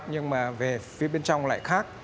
nhưng mà về phía bên trong lại khác